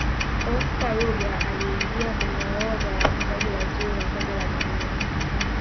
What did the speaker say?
oscar rugger aliingia kwenye orodha ya Wachezaji wazuri wa kombe la dunia